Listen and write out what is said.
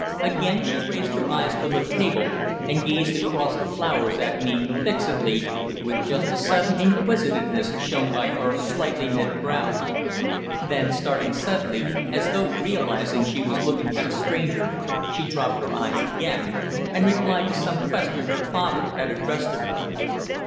Again she raised her eyes from the table and gazed across the flowers at me fixedly, with just a sudden inquisitiveness shown by her slightly knit brows. Then, suddenly starting, as though realizing she was looking at a stranger, she dropped her eyes again, and replied to some question her father had addressed to her.